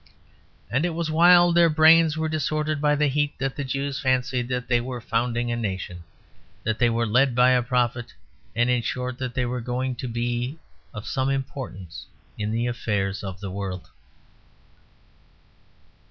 And it was while their brains were disordered by the heat that the Jews fancied that they were founding a nation, that they were led by a prophet, and, in short, that they were going to be of some importance in the affairs of the world.